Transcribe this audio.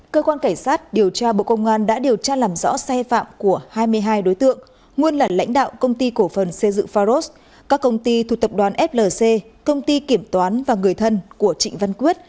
cơ quan cảnh sát điều tra bộ công an đã điều tra làm rõ sai phạm của hai mươi hai đối tượng nguyên là lãnh đạo công ty cổ phần xây dựng pharos các công ty thuộc tập đoàn flc công ty kiểm toán và người thân của trịnh văn quyết